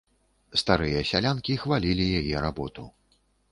Старыя сялянкі хвалілі яе работу.